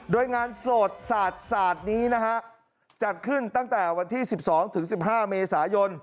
โดยงานโสดสาดสาดนี้นะฮะจัดขึ้นตั้งแต่วันที่สิบสองถึงสิบห้าเมษายน